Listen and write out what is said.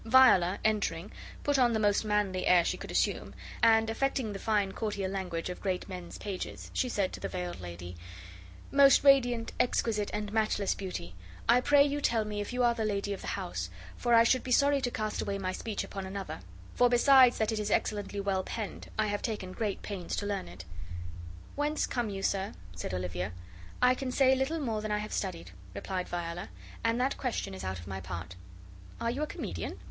Viola, entering, put on the most manly air she could assume, and, affecting the fine courtier language of great men's pages, she said to the veiled lady: "Most radiant, exquisite, and matchless beauty, I pray you tell me if you are the lady of the house; for I should be sorry to cast away my speech upon another; for besides that it is excellently well penned, I have taken great pains to learn it." "Whence come you, sir?" said Olivia. "I can say little more than I have studied," replied Viola, and that question is out of my part." "Are you a comedian?"